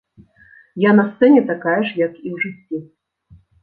Я на сцэне такая ж, як і ў жыцці.